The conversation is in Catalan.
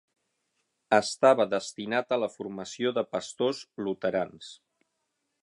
Estava destinat a la formació de pastors luterans.